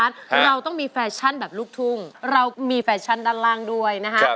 เราต้องมีแฟชั่นแบบลูกทุ่งเรามีแฟชั่นด้านล่างด้วยนะฮะ